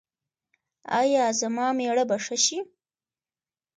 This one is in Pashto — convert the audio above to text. ایا زما میړه به ښه شي؟